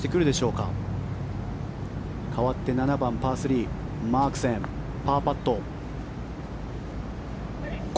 かわって７番、パー３マークセン、パーパット。